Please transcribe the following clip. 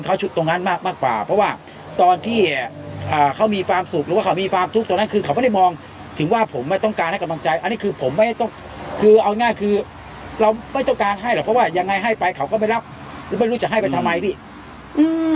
เขาตรงนั้นมากมากกว่าเพราะว่าตอนที่อ่าเขามีความสุขหรือว่าเขามีความทุกข์ตอนนั้นคือเขาไม่ได้มองถึงว่าผมไม่ต้องการให้กำลังใจอันนี้คือผมไม่ต้องคือเอาง่ายคือเราไม่ต้องการให้หรอกเพราะว่ายังไงให้ไปเขาก็ไม่รับหรือไม่รู้จะให้ไปทำไมพี่อืม